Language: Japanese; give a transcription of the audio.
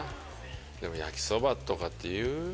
でも焼きそばとかって言う？